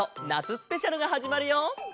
スペシャルがはじまるよ！